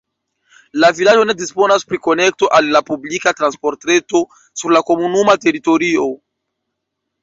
La vilaĝo ne disponas pri konekto al la publika transportreto sur la komunuma teritorio.